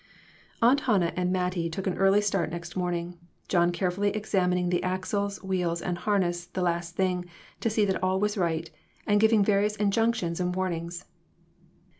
Aunt Hannah and Mattie took an early start next morning, John carefully examining the axles, wheels and harness the last thing, to see that all was right, and giving various injunctions and warnings.